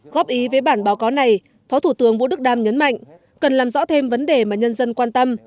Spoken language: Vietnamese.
góp ý với bản báo cáo này phó thủ tướng vũ đức đam nhấn mạnh cần làm rõ thêm vấn đề mà nhân dân quan tâm